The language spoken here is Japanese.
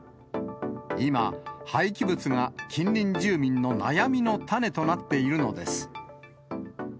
今、廃棄物が、近隣住民の悩みの種となっているのです。